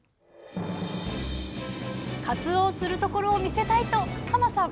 かつおを釣るところを見せたい！とさん